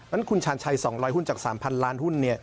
นั้นคุณชานชัย๒๐๐หุ้นจาก๓๐๐๐ล้านหุ้น